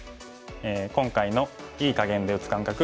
今回の“いい”かげんで打つ感覚